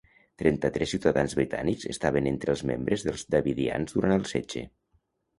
Trenta-tres ciutadans britànics estaven entre els membres dels Davidians durant el setge.